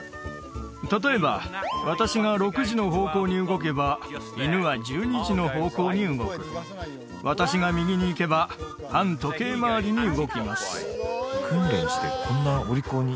例えば私が６時の方向に動けば犬は１２時の方向に動く私が右に行けば反時計回りに動きます